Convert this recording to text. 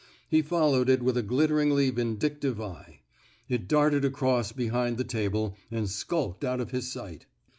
He followed it with a glitteringly vindictive eye. It darted across behind the table, and skulked out of his sight.